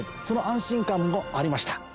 その安心感もありました。